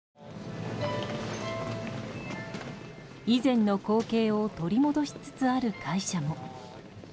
以前の光景を取り戻しつつある会社も。